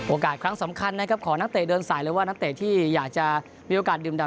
ครั้งสำคัญนะครับของนักเตะเดินสายหรือว่านักเตะที่อยากจะมีโอกาสดื่มดำ